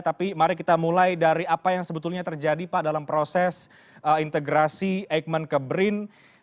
tapi mari kita mulai dari apa yang sebetulnya terjadi pak dalam proses integrasi eijkman ke brin